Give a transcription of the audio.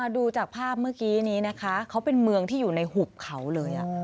ดูจากภาพเมื่อกี้นี้นะคะเขาเป็นเมืองที่อยู่ในหุบเขาเลย